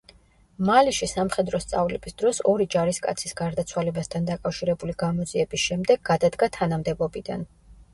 მალიში სამხედრო სწავლების დროს ორი ჯარისკაცის გარდაცვალებასთან დაკავშირებული გამოძიების შემდეგ გადადგა თანამდებობიდან.